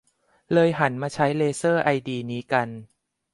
เลยหันมาใช้เลเซอร์ไอดีนี้กัน